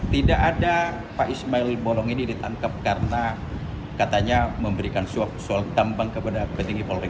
tidak ada pak ismail bolong ini ditangkap karena katanya memberikan soal tambang kepada petinggi polri